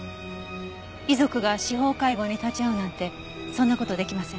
遺族が司法解剖に立ち会うなんてそんな事出来ません。